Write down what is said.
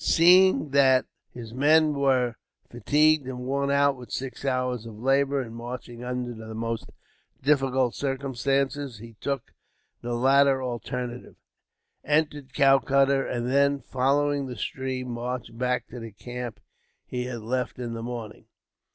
Seeing that his men were fatigued, and worn out with six hours of labour and marching under the most difficult circumstances, he took the latter alternative, entered Calcutta, and then, following the stream, marched back to the camp he had left in the morning.